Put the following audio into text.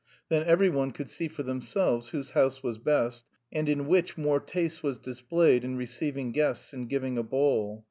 Then every one could see for themselves whose house was best, and in which more taste was displayed in receiving guests and giving a ball.